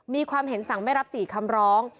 มีความเห็นสั่งไม่รับ๔คำร้อง